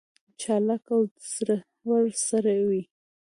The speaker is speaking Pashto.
چالاک او زړه ور سړی وي.